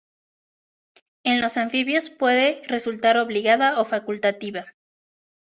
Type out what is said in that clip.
En los anfibios puede resultar obligada o facultativa.